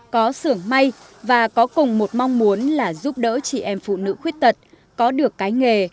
có sưởng may và có cùng một mong muốn là giúp đỡ chị em phụ nữ khuyết tật có được cái nghề